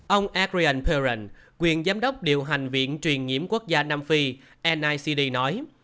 ông adrian perrin quyền giám đốc điều hành viện truyền nhiễm quốc gia nam phi nicd nói